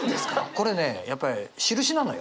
これねやっぱりしるしなのよ。